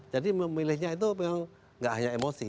jadi memilihnya itu memang gak hanya emosi